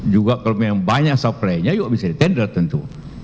juga kalau yang banyak supplynya yuk bisa di tender tentu